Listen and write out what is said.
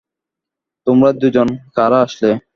তোমরা দুজন কারা আসলে?